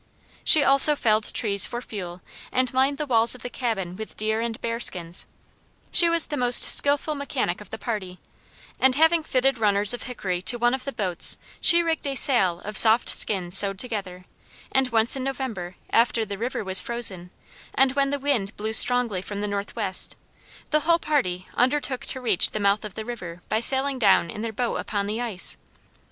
She also felled trees for fuel and lined the walls of the cabin with deer and bear skins; she was the most skilful mechanic of the party, and having fitted runners of hickory to one of the boats she rigged a sail of soft skins sewed together, and once in November, after the river was frozen, and when the wind blew strongly from the northwest, the whole party undertook to reach the mouth of the river by sailing down in their boat upon the ice.